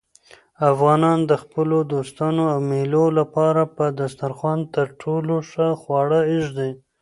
افغانان د خپلو دوستانو او مېلمنو لپاره په دسترخوان تر ټولو ښه خواړه ایږدي.